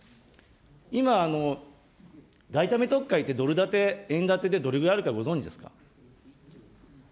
今、外為特会ってドル建て、円建てでどれぐらいあるかご存じですか。